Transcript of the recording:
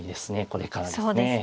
これからですね。